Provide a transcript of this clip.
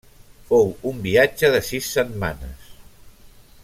Fou un viatge de sis setmanes.